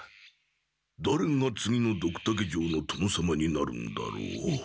だれが次のドクタケ城の殿様になるんだろう。